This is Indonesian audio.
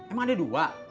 emang ada dua